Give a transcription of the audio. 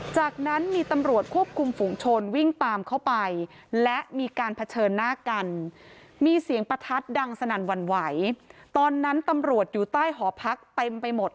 จากนั้นมีตำรวจควบคุมฝุงชนวิ่งตามเข้าไป